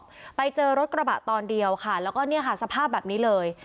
พื้นที่ตรวจสอบไปเจอรถกระบะตอนเดียวค่ะแล้วก็เนี่ยค่ะสภาพแบบนี้เลย